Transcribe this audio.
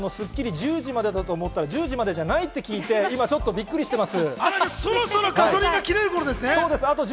１０時までだと思ったら、１０時までじゃないって聞いてびっくりしてます。